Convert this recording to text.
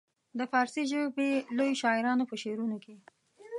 د فارسي ژبې لویو شاعرانو په شعرونو کې.